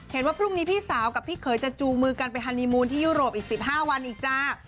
ว่าพรุ่งนี้พี่สาวกับพี่เขยจะจูงมือกันไปฮันนีมูลที่ยุโรปอีก๑๕วันอีกจ้า